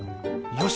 よし！